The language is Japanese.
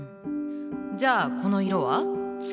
じゃあこの色は？